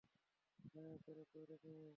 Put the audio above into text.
হ্যাঁ, তারা তো ওরকমই।